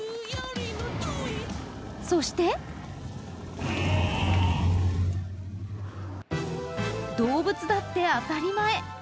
そして、動物だって当たり前。